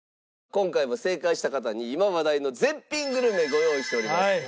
今回も正解した方に今話題の絶品グルメをご用意しております。